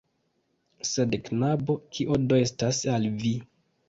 Sed knabo, kio do estas al vi...